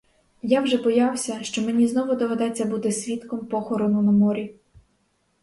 Я вже боявся, що мені знову доведеться бути свідком похорону на морі.